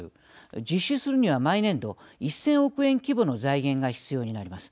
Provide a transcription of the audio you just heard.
実施するには、毎年度１０００億円規模の財源が必要になります。